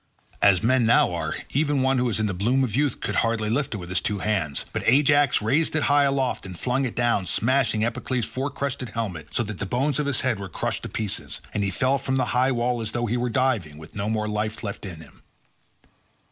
As men now are, even one who is in the bloom of youth could hardly lift it with his two hands, but Ajax raised it high aloft and flung it down, smashing Epicles' four crested helmet so that the bones of his head were crushed to pieces, and he fell from the high wall as though he were diving, with no more life left in him.